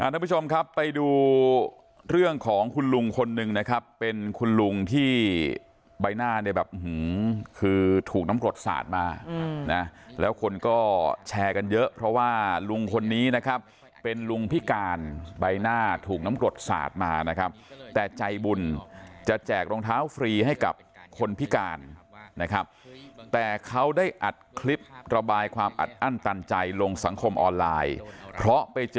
ทุกผู้ชมครับไปดูเรื่องของคุณลุงคนนึงนะครับเป็นคุณลุงที่ใบหน้าเนี่ยแบบหือคือถูกน้ำกรดสาดมานะแล้วคนก็แชร์กันเยอะเพราะว่าลุงคนนี้นะครับเป็นลุงพิการใบหน้าถูกน้ำกรดสาดมานะครับแต่ใจบุญจะแจกรองเท้าฟรีให้กับคนพิการนะครับแต่เขาได้อัดคลิประบายความอัดอั้นตันใจลงสังคมออนไลน์เพราะไปเจอ